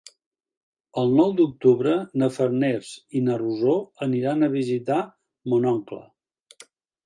El nou d'octubre na Farners i na Rosó aniran a visitar mon oncle.